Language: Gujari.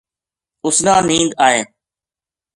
اس نا نیند آئے‘‘